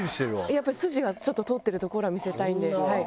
やっぱり筋が通ってるところは見せたいんではい。